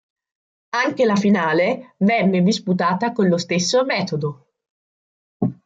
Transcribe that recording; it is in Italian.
Anche la finale venne disputata con lo stesso metodo.